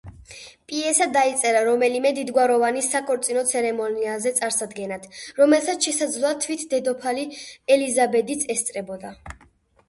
პიესა დაიწერა რომელიმე დიდგვაროვანის საქორწინო ცერემონიალზე წარსადგენად, რომელსაც შესაძლოა თვით დედოფალი ელიზაბეთიც ესწრებოდა.